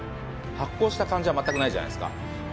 発酵した感じは全くないじゃないですか